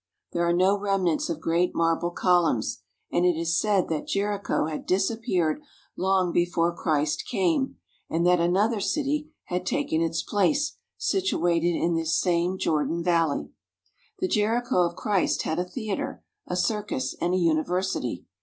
There are no remnants of great marble columns, and it is said that Jericho had disappeared long before Christ came and that another city had taken its place situated in this same 120 EXCAVATING OLD JERICHO Jordan Valley. The Jericho of Christ had a theatre, a circus, and a university.